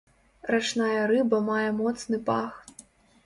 Рачная рыба мае моцны пах.